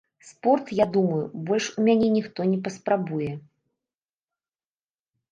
Спорт, я думаю, больш у мяне ніхто не паспрабуе.